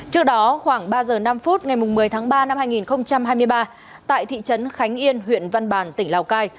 trước đó khoảng ba giờ năm phút ngày một mươi tháng ba năm hai nghìn hai mươi ba tại thị trấn khánh yên huyện văn bàn tỉnh lào cai